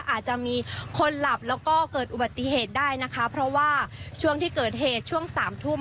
อาจจะมีคนหลับแล้วก็เกิดอุบัติเหตุได้นะคะเพราะว่าช่วงที่เกิดเหตุช่วงสามทุ่ม